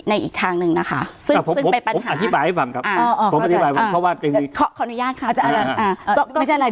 ในอีกทางหนึ่งนะคะผมอธิบายให้ฟังครับพร้อมอธิบาย